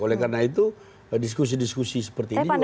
oleh karena itu diskusi diskusi seperti ini juga penting